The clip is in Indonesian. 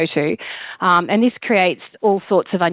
terutama di daerah pedesaan